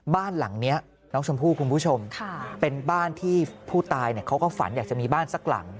บ้านหลังนี้น้องชมพู่คุณผู้ชมเป็นบ้านที่ผู้ตายเขาก็ฝันอยากจะมีบ้านสักหลัง